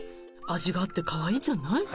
味があってカワイイじゃない？